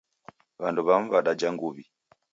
W'andu w'amu w'adajha nguw'i